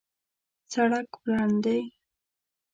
سړک پلن دی